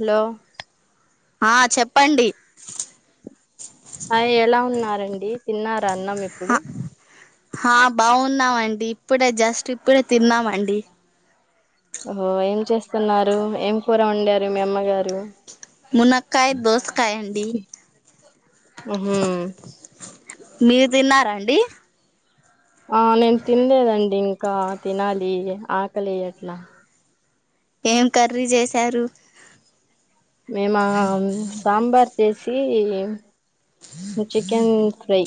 Hello ఆ చెప్పండి అ ఎలా ఉన్నారండి తిన్న బాగున్నామండి ఇప్పుడే జాస్ట్ ఇప్పుడే తిన్నామ అండి ఓ ఏం చేస్తున్నారు ఏం కూర ఉండారు మీ అమ్మగారు మునాక్కాయ దోస్ కాయ హండి ఉహు మీరు తిన్నారాండి ఆ నేను తినలేదండి ఇంకా తినాలి ఆకలి ఎట్లా ఏం కర్రీ చేసారు మే మా సాంబార్ చేసి చికెన్ ఫ్రై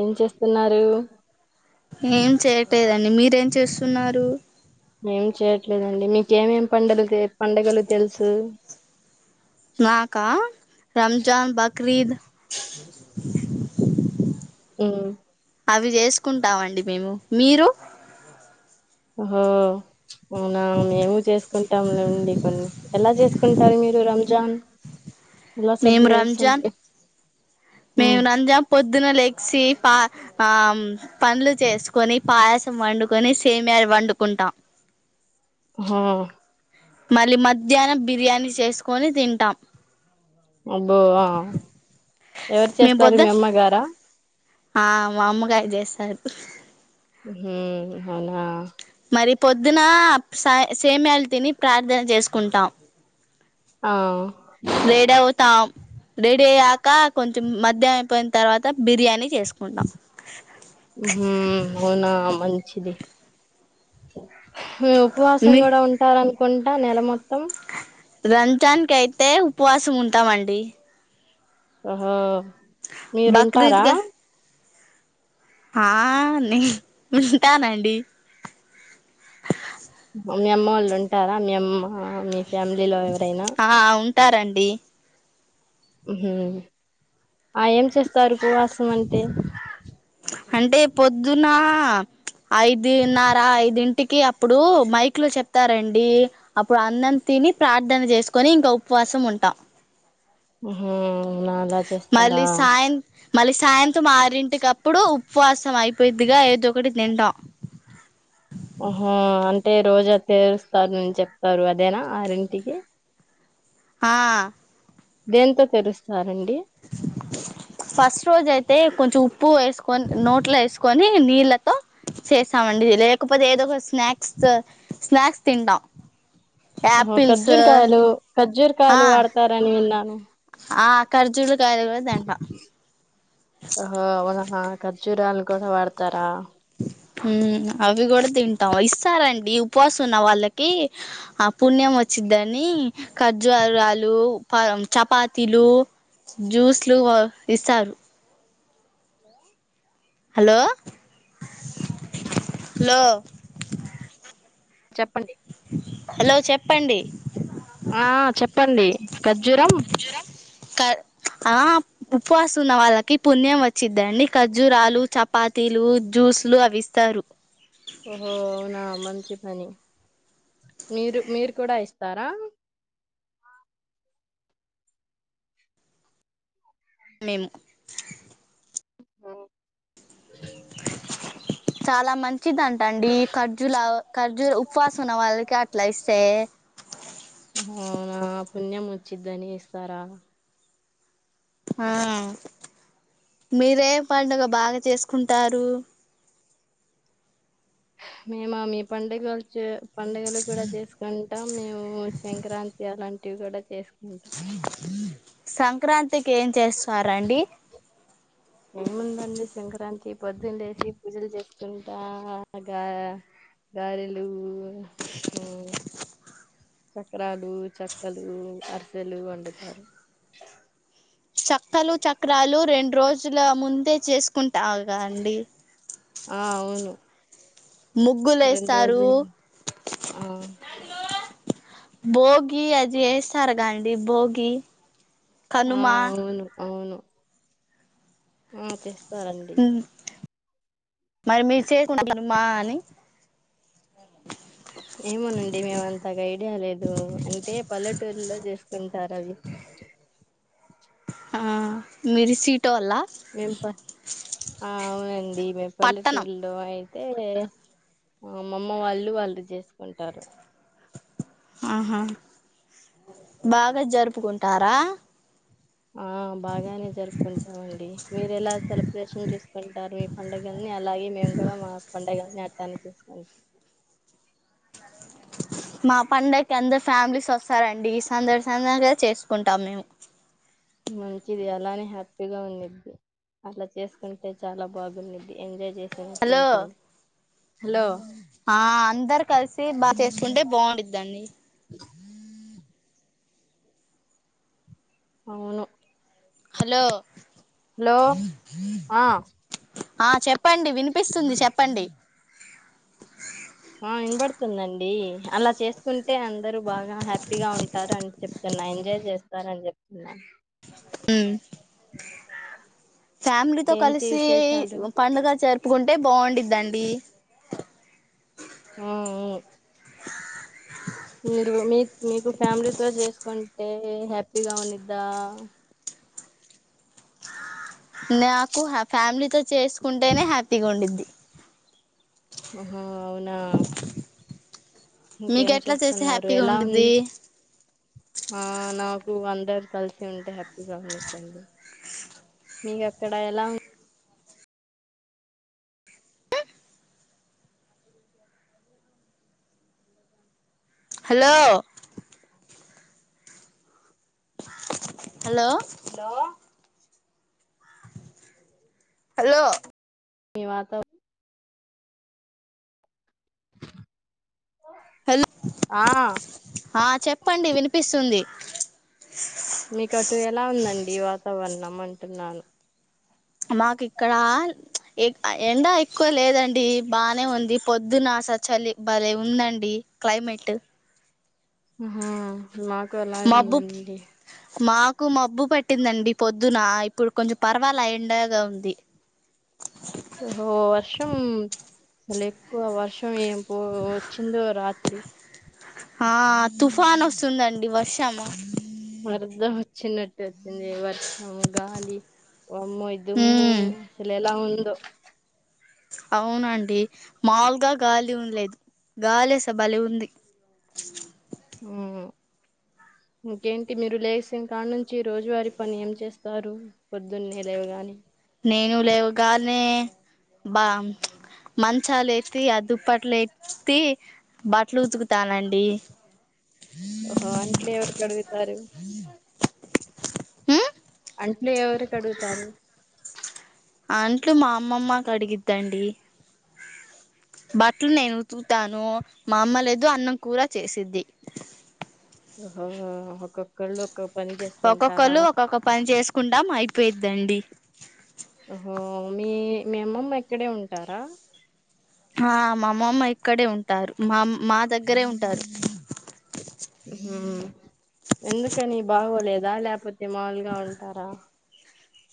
ఏం చేస్తున్నారు ఏం చేయట్లేదండి మీరేం చేస్తున్నారు ఏం చేయట్లేదండి మీక ఏమేం పండలు పండగలు తెలుసు నాకా రంజాన్ బకరద్ అ అవి చేసుకుంటామండి మేము మీరు హ అవునా మేము చేసుకుంటాం లేండి కొన్ని ఎలా చేసుకుంటారు మీరు రంజాన్ ఎలా మేము సబ్లే సబ్ రంజాన్ మేము ఉమ్ రంజాన్ పొద్దున లే వ పా ఆ పనులు చేసుకొని పాయసం వండుకొని సేమయాారి వండుకుంటాం హా మళ్ళీ మధ్యాహ్నం బిర్యానీ చేసుకొని తింటాం అబ్బో ఎవరు మేము చేస్తారు పొద్దు మీ అమ్మగారా ఆ మామ్మగాయ చేసారు అనా మరి పొద్దున స సేమలు తిని ప్రార్థన చేసుకుంటాం ఆ రేడ ఉత రేడే ఆ ఇకా కొంచెం మద్యం అయిపోయిన తర్వాత బిర్యానీ చేసుకుంటాం ఉనా మంచిది స ఉపవాసం మీ కూడా ఉంటారని కొంట నెల మొత్తం రంజాన్ కైతే ఉపవాస ఉంటా మండి ఆహ బక్రీద్ మీరుంటారా కి ఆ నే వింటానండి మీ అమ్మ వాళ్ళు ఉంటారా మీ అమ్మ మీ ఫ్యామిలీలో ఎవరైనా ఉంటారంండి హ ఆ ఏం చేస్తారు ఉవాసం అంటే అంటే పొద్దున ఐదున్నర ఐదింటికి అప్పుడు మైక్ లో చెప్తారండి. అప్పుడు అన్నం తిని ప్రార్థన చేసుకొని ఇంకా ఉపవాసం ఉంటాం. హ మళ్ళీ సాయంత మళ్ళీ సాయంతం ఆరింటి క ఇప్పుడు ఉపవాసం అయిపోయిదిగా ఏదో ఒకటి తింటం ఆహో అంటే రోజా తీరుస్తారుని చెప్తారు అదేనా ఆరింటికి ఆ దేంతో తెలుస్తారండి ఫస్ట్ రోజ అయితే కొంచం పూ వేసుకని నోట్లో వేసుకొని కని నీళ్ళతో చేస్తామండి లేకపోతే ఏదో ఒక స్న్యాక్స్ స్నాక్స్ తింట కజ్జురు కాయలు కజ్జుర్ ఆ కాయలు వాడతారా నివల్ నను ఆ కర్జూలు కాలగా తంట ఖర్జూరాను కూడా వాడతారా అవి కూడా తింటాం ఇస్తారంండి. ఉపవాసం ఉన్న వాళ్ళకి ఆ పుణ్యం వచ్చిందని ఖర్జు ఆరరాలు చపాతీలు జ్యూస్లు ఇస్తారు హలో హలో చెప్పండి హలో చెప్పండి ఆ చెప్పండి ఖర్జూరం క ఆ ఉపవాసం ఉన్న వాళ్ళకి పుణ్యం వచ్చిద్దండి. ఖర్జూరాలు చపాతీలు జ్యూస్లు అవి ఇస్తారు. ఓహో అవునా మంచి పని మీరు మీరు కూడా ఇస్తారా మేము హ చాలా మంచి మచ్చిదింట అండి. ఖర్జులు ఖర్జులు ఉపవాసం ఉన్న వాళ్ళకి అట్లా ఇస్తాయి. అవునా పుణ్యం వచ్చిద్దని ఇస్తారా ఆ మీరే పండుగగ బాగా చేసుకుంటారు మేము ఆ మీ పండగల్ పండుగలు కూడా చేసుకుంటాం మేము సంక్రాంతి అలాంటి టి కూడా చేసు ఉంట సంక్రాంతికి ఏం చేస్తారంండి ఏముందండి సంక్రాంతి పొద్దుంలేసి పూజలు చేసుకుంటా గా గారెలు, చక్రాలు, చెక్కలు అరిసెలు వండుతారు చక్కలు చక్రాలు రెండు రోజ్ రజుల ముందే చేసుకుంటాగా అండి ఆ అవును ముగ్గులు రెం వేస్తారు రోజుే ఆ భోగి ఆది ఏస్ సరగా అండి భోగి ఆ కనుమ అవును అవును ఆ చేస్ సరండి మరి మీరు చేయకుండా మనమ్మా అని అంతకు ఐడియా లేదు అంటే పల్లెటూరులో చేసుకుంటారు అవి ఆ మిర్చి టోలా మేము ప ఆ అవునండి దీమె పల్లెటూరులో ఆయి అయితే అమ్మమ్మ వాళ్ళు వాళ్ళు చేసుకుంటారు ఆహా బాగా జరుపుకుంటారా ఆ బాగానే జరుపుకుం ండి మీరు ఎలా సెలబ్రేషన్ చూసుకుంటారు మీ పండుగల్ని అలాగే మేము కూడా మా పంండగల్ని అట్టాన్ని చేసుకోం మా పండగకి అందరూ ఫ్యామిలీస్ వస్తారండి సందర్శ చేసుకుంటాం మేము మంచిది అలానే హ్యాపీగా ఉంది అలా చేసుకుంటే చాలా బాగుండిద్ది ఎంజాయ్ చేస్ హలో ఆ అందరు కలిసి బాగా చేసుకుంటే బాగుంటందండి అవును హలో హలో ఆ ఆ చెప్పండి వినిపిస్తుంది చెప్పండి ఆ వినబడుతుందండి అలా చేసుకుంటే అందరుూ బాగా హ్యాపీగా ఉంటారు అని చెప్తున్నా ఎంజాయ్ చేస్తారు అని చెప్తున్నా ఉమ్ ఫ్యామిలీతోో ఏంటి కలిసి విశేషాలు పండుగ జరుపు ప్పుకుంటే బాగుడుందండి హ్మ్ హ్మ్ మీరు మీ మీకు ఫ్యామిలీతోో చేసుకుంటే హ్యాపీగా ఉండిదా నాకు ఫ్యామిలీతోో చేసుకుంటేనే హ్యాపీగా ఉండిద్ది ఆహా అవునా మీకు ఇంకేం ఎట్లా చేస్తే చేస్తున్నారు హ్యాపీగా ఎలా ఉంది ఉండిద్ది ఆ నా అందరు కలిసి ఉంటే హ్యాపీగా ఉండిద్ది మీకు అక్కడ ఎలా హలో హలో హలో మే వాత హలో ఆ ఆ చెప్పండి వినిపిస్తుంది మీకు అటు ఎలా ఉందండి వాతావరణం అంటున్నాను మాకు ఇక్కడ ఎ ఎండా ఎక్కువ లేదండి బానే ఉంది పొద్దున చలి బలే ఉందండి క్లైమేట్ ఆ మాకు అలాగ ఉందండి నాకు మబ్బు పట్టిందండి పొద్దున ఇప్పుడు కొంచెం పర్వాల ఎండగా ఉంది హో వర్ష వర్షం అసలు ఎక్కువ వర్షం ఏం ఓ వచ్చిందో రాత్రి ఆ తుఫాన్ వస్తుందండి వర్షము అర్థం వచ్చినట్టు వర్షం గాలి వామ్మో దుమ్ము ఉమ్ సల ఎలా ఉ దో అవునండి మాలుగా గాలి ఉలేదు గాలి సే బలి ఉంది హ్మ్ ఇంకేంటి మీరు లేసిన కాడ నుంచి రోజువారీ పని ఏం చేస్తారు పొద్దున్న లేవు గానే నేను లేవుగానే బా మంచాల ఎత్తి అది దుప్పట్లు ఎత్తి బట్టలు ఉతుకుతానండి ఓహో అంట్లు ఎవరు కడుగుతారు ఉమ్ అంట్లు ఎవరు కడుగుతారు అంట్లు మా అమ్మమ్మ అడిగిద్ తండి బట్టలు నేను ఉతుకుతాను మా అమ్మలేదు అన్నం కూర చేసిద్ది ఓహో ఒక్కొక్కలు ఒకో ఒక్కొక్కలు ఒక్కొక్క పని చేసుకుంటాం అయిపోయి దండి ఓ మీ మీ అమ్మమ్మ ఎక్కడే ఉంటారా హా మమ్మమ్మ అక్కడే ఉంటారు. మా మా దగ్గరే ఉంటారు ఎందుకని బాగోలేదు చపో మాలుగా ఉంటారా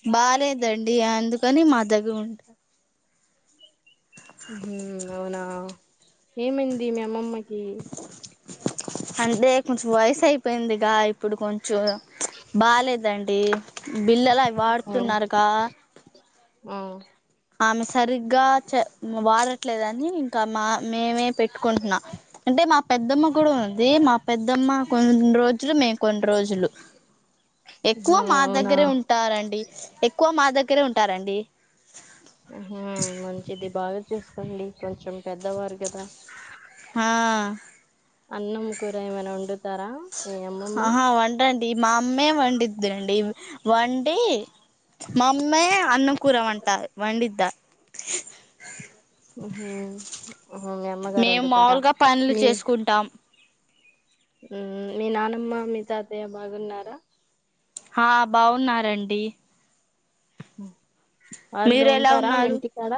బ బాలేదండి అందుకని మా దగ్గర ఉంటారు హ అవునా ఏమైంది మీ అమ్మమ్మకి అంతే కొంచెం వయసు అయిపోయింది ఇగా ఇప్పుడు కొంచెం చ బాలేదండి అ బిల్లలు అవి ఆ వాడుతున్నారుగా ఆ ఆమె సరిగ్గా వాడట్లేదని ఇంకా మా మేమే పెట్టుకుంటున్నా అంటే మా పెద్దమ్మ కూడా ఉంది. మా పెద్దమ్మ కొన్ని రోజు రజలు మేము కొన్ని రోజులు. ఎక్కువ ఆ మా అవునా దగ్గరే ఉంటారంండి. ఎక్కువ మా దగ్గరే ఉంటారంండి. హా మంచిది. బాగా చూసు డి కొంచం పెద్ద వర్గద ఆ అన్నం కురమన ఉం తారా మీ అమ్మమ్మ ఆహా వంటండి మా అమ్మే వండిద్డి. వండి మా అమ్మే అన్నం కూర వంటారు. వండిద్దారు మీ అమ్మగారు మేము వండుతారా. మాములుగా పనులు మీ చేసుకుంటాం మీ నానమ్మ మీ తాతయ్య బాగున్నారా? ఆ బాగున్నారండి. హ వాళ్ళు మీరు ఎలా ఉంటారా. మీ ఉన్నారు ఇంటికాడ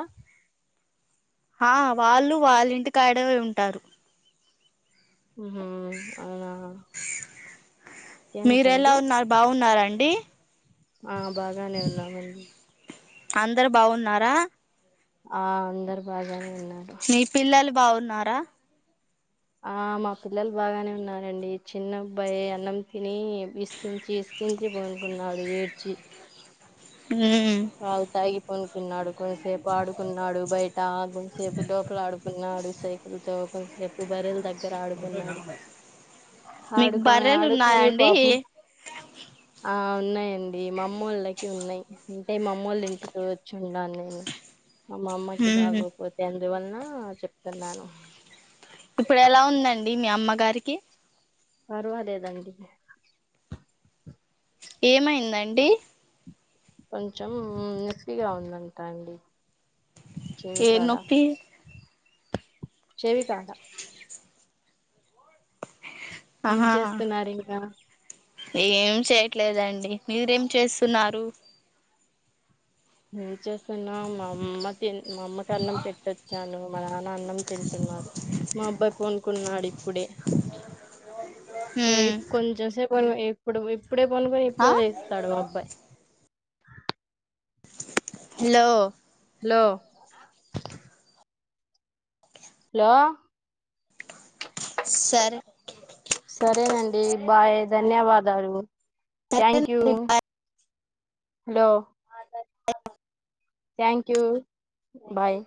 ఆ వాళ్ళు వాళ్ళ ఇంటికాయ డై ఉంటారు ఉహ మీర ఎలా ఏమిటండి ఉన్నారు. బాగున్నారండి డి ఆ బాగానే ఉన్నామండి అందరు బాగున్నారా ఆ అందరు బాగానే ఉన్నారు బావున్నారా ఆ మా పిల్లలు బాగానే ఉన్నారండి. చిన్నబ్బాయి అన్నం తిని విసికించి ఇసికించి, పనుకున్నాడు ఏడ్చి. మ్మ్ పాలు తాగి పనుకున్నాడు, కొంసేపు ఆడుకున్నాడు, బయట కొంసేపు డోపల ఆడుకున్నాడు. సైకిల్ తో కొంసేపు బర్రెల దగ రు ఆడుకున్నాడు. మీకు ఆడుకొని బర్రెలు ఆడుకొని ఉన్నాయండి పాపం ఆ ఉన్నాయండి మా అమ్మోళ్ళకి ఉన్నయి అంటే మా అమ్మోళ్ళ ఇంటికి వచ్చి ఉండాను నేను మా అమ్మకి మ్మ్ బాగోపోతే అం దువల్నా చెప్తున్నాను ఇప్పుడు ఎలా ఉందండి మీ అమ్మగారి కి పర్వాలేదండి ఏమైందండి కొంచెం నొప్పిగా ఉందంటా అండి చెవి ఏ కాడా నొప్పి చెవి కాడ ఏం ఆహా చేస్తున్నారు ఇంకా ఏం చేయట్లేదండి మీరేం చేస్తున్నారు హ్మ్ చేస్తున్నా మా అమ్మ తి మా అమ్మకి అన్నం పెట్టొచ్చాను, మా నాన్న అన్నం తింటున్నారు, మా అబ్బాయి పం కున్నాడి ప్పుడే హ్మ్ కొంచం సే [unintelligible] ఎప్పుడు ఇప్పుడే పనుకొని ఆ ఇప్పుడే లేస్తాడు మా అబ్బాయి హలో హలో హలో సరే సరేనండి బాయ్ ధన్యవాదాలు thank you hello thank you bye